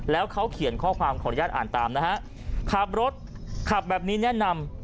แล้วเขาเขียนข้อความขออนุญาตอ่านตามนะฮะขับรถขับแบบนี้แนะนำ